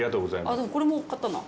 あっ、でも、これも買ったなぁ。